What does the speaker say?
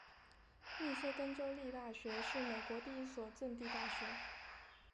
密歇根州立大学是美国第一所赠地大学。